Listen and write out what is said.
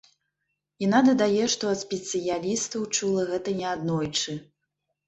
Яна дадае, што ад спецыялістаў чула гэта неаднойчы.